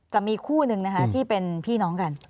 จะมีคู่หนึ่งนะคะที่เป็นพี่น้องกัน